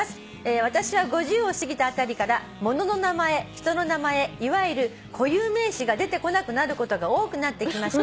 「私は５０を過ぎたあたりから物の名前人の名前いわゆる固有名詞が出てこなくなることが多くなってきました」